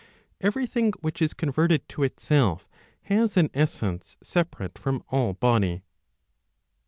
Every thing which is converted to itself, has an essence separate from all body.